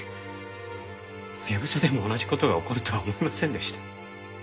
ハヤブサでも同じ事が起こるとは思いませんでした。